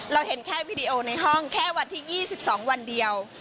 เห็นแค่วีดีโอในห้องแค่วันที่๒๒วันเดียว